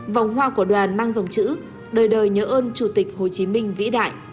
vòng hoa của đoàn mang dòng chữ đời đời nhớ ơn chủ tịch hồ chí minh vĩ đại